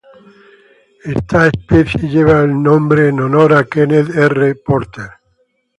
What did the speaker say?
Esta especie lleva el nombre en honor a Kenneth R. Porter.